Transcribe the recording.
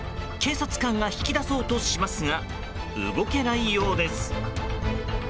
警察官が引き出そうとしますが動けないようです。